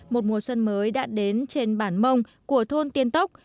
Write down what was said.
một mùa xuân mới đã đến trên bản mông của thôn tiên tốc